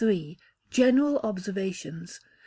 General Observations.